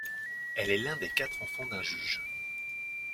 Elle est l'un des quatre enfants d'un juge.